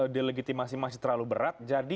delegitimasi masih terlalu berat jadi